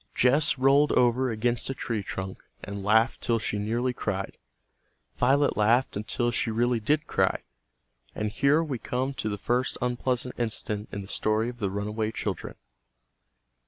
Jess rolled over against a tree trunk and laughed till she nearly cried. Violet laughed until she really did cry. And here we come to the first unpleasant incident in the story of the runaway children.